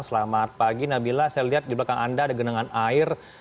selamat pagi nabila saya lihat di belakang anda ada genangan air